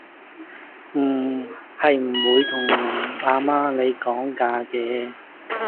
係唔會同阿媽你講價㗎